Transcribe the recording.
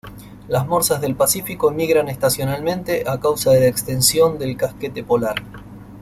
Las morsas del Pacífico emigran estacionalmente a causa de la extensión del casquete polar.